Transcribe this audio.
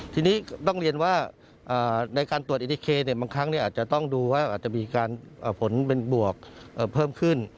ทีนี้ต้องเรียนว่าในการตรวจเอทีเคบางครั้งอาจจะต้องดูว่าอาจจะมีการผลเป็นบวกเพิ่มขึ้น